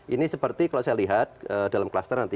ini seperti kalau saya lihat dalam kluster nanti